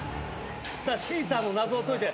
シーサーの謎を解いて。